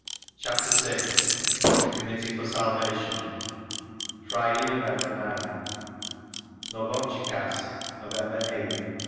Chapter VI The Committee for Salvation Friday, November 9th…. Novotcherkask, November 8th.